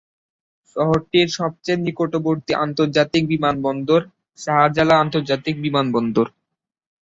শহরটির সবচেয়ে নিকটবর্তী আন্তর্জাতিক বিমানবন্দর শাহজালাল আন্তর্জাতিক বিমানবন্দর।